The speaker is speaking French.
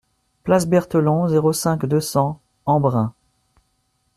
Place Barthelon, zéro cinq, deux cents Embrun